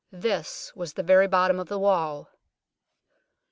This was the very bottom of the wall.